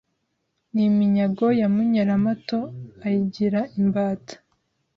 N'iminyago ya Munyuramato ayigira imbata